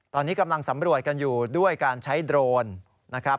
ตอนนี้กำลังสำรวจกันอยู่ด้วยการใช้โดรนนะครับ